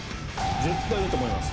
絶対いいと思います。